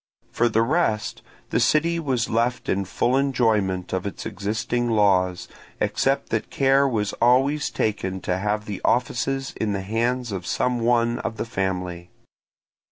For the rest, the city was left in full enjoyment of its existing laws, except that care was always taken to have the offices in the hands of some one of the family.